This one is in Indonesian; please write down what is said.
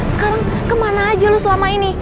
sekarang kemana aja lo selama ini